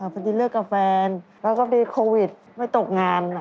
พอดีเลิกกับแฟนแล้วก็มีโควิดไม่ตกงาน